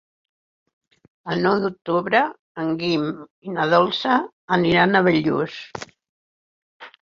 El nou d'octubre en Guim i na Dolça aniran a Bellús.